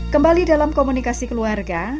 kembali dalam komunikasi keluarga